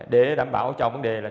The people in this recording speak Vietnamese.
để đảm bảo cho vấn đề là